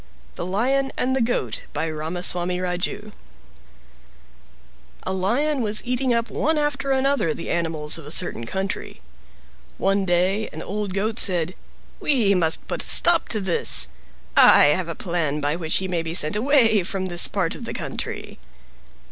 THE LION AND THE GOAT By Ramaswami Raju A lion was eating up one after another the animals of a certain country. One day an old Goat said, "We must put a stop to this. I have a plan by which he may be sent away from this part of the country."